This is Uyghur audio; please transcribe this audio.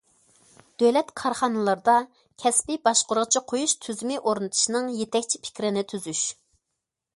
دۆلەت كارخانىلىرىدا كەسپىي باشقۇرغۇچى قويۇش تۈزۈمى ئورنىتىشنىڭ يېتەكچى پىكرىنى تۈزۈش.